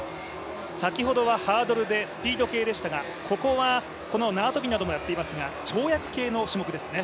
先ほどはハードルでスピード系でしたが、ここは縄跳びなどもやっていますが跳躍系の種目ですね。